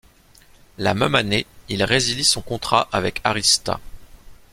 La même année, il résilie son contrat avec Arista.